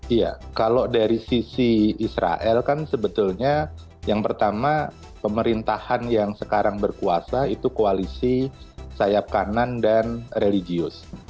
iya kalau dari sisi israel kan sebetulnya yang pertama pemerintahan yang sekarang berkuasa itu koalisi sayap kanan dan religius